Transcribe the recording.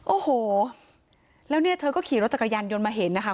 โอ้โหแล้วเนี่ยเธอก็ขี่รถจักรยานยนต์มาเห็นนะคะ